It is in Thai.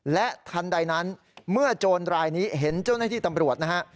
และทันใดนั้นเมื่อโจรรายนี้เห็นเจ้าหน้าที่ตำรวจนะฮะ